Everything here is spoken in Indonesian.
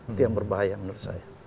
itu yang berbahaya menurut saya